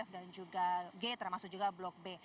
dan juga g termasuk juga blok b